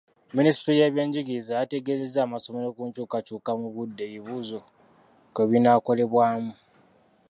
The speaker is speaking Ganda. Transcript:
Minisitule y'ebyenjigiriza yategeeza amasomero ku nkyukakyuka mu budde ebibuuzo kwe binaakolebwamu.